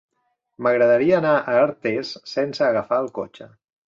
M'agradaria anar a Artés sense agafar el cotxe.